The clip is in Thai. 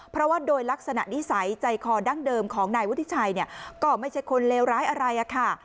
เพราะว่าโดยลักษณะนิสัยใจคอดั้งเดิมของนายวุฒิชัยเนี่ยก็ไม่ใช่คนเลวร้ายอะไรอะค่ะ